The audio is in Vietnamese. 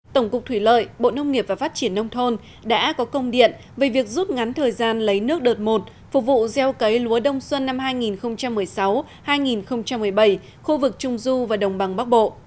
tổng cục thủy lợi bộ nông nghiệp và phát triển nông thôn đã có công điện về việc rút ngắn thời gian lấy nước đợt một phục vụ gieo cấy lúa đông xuân năm hai nghìn một mươi sáu hai nghìn một mươi bảy khu vực trung du và đồng bằng bắc bộ